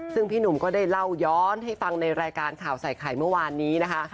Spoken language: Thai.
ซึ่งพี่หนุ่มก็ได้เล่าย้อนให้ฟังในรายการข่าวใส่ไข่เมื่อวานนี้นะคะ